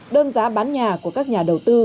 đơn giá bán nhà của các nhà đầu tư